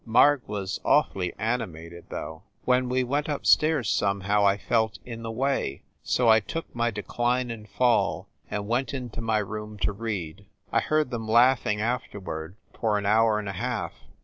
Marg was awfully animated, though. When we went up stairs somehow I felt in the way, so I took my "Decline and Fall" and went into my room to read. I heard them laughing afterward, for an hour an a half.